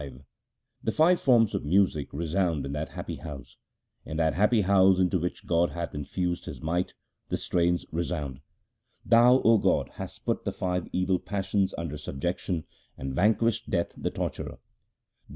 V The five forms of music resound in that happy house 1 ; In that happy house into which God hath infused His might, the strains resound. Thou, O God, hast put the five evil passions under sub jection, and vanquished Death the torturer. 1 That is, in the heart where God dwells.